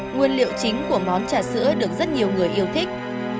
nguyên liệu chính của món trà sữa được rất nhiều người yêu thích